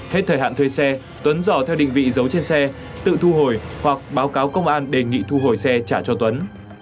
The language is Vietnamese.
hết thời hạn thuê xe tuấn dò theo định vị giấu trên xe tự thu hồi hoặc báo cáo công an đề nghị thu hồi xe trả cho tuấn